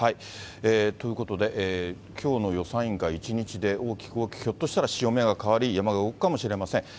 ということで、きょうの予算委員会１日で大きく大きく、ひょっとしたら、潮目が変わり山が動くかもしれません。